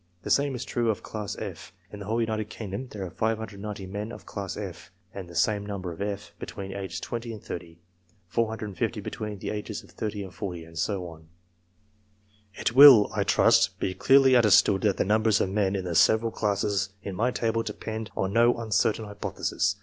The same is true of class f. In the whole United Kingdom there are 590 men of class F (and the same number of f) between the ages of 20 and 30 ; 450 between the ages of 30 and 40 ; and so on. It will, I trust, be clearly understood that the numbers of men in the several classes in my table depend on no uncertain hypothesis.